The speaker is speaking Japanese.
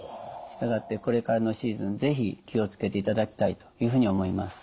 したがってこれからのシーズン是非気を付けていただきたいというふうに思います。